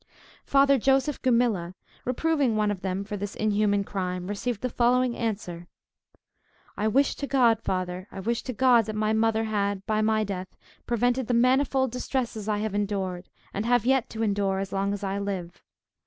Father Joseph Gumilla, reproving one of them for this inhuman crime, received the following answer: "I wish to God, Father, I wish to God, that my mother had, by my death, prevented the manifold distresses I have endured, and have yet to endure as long as I live.